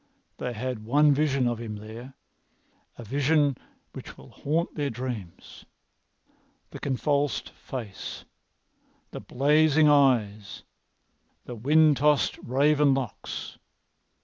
They had one vision of him there—a vision which will haunt their dreams—the convulsed face, the blazing eyes, the wind tossed raven locks.